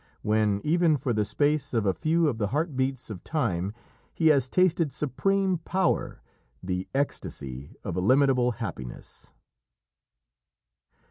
when, even for the space of a few of the heart beats of Time, he has tasted supreme power the ecstasy of illimitable happiness?